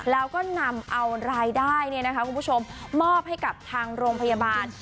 แล้วก็นำเอารายได้คุณผู้ชมมอบให้กับทางโรงพยาบาล